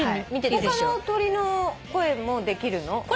他の鳥の声もできるの？